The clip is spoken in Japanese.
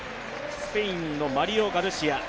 スペインのマリオ・ガルシア。